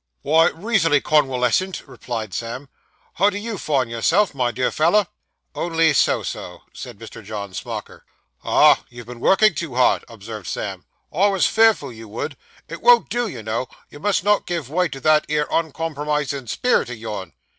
'Why, reasonably conwalessent,' replied Sam. 'How do _you _find yourself, my dear feller?' 'Only so so,' said Mr. John Smauker. 'Ah, you've been a workin' too hard,' observed Sam. 'I was fearful you would; it won't do, you know; you must not give way to that 'ere uncompromisin' spirit o' yourn.